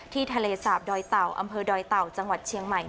ทะเลสาบดอยเต่าอำเภอดอยเต่าจังหวัดเชียงใหม่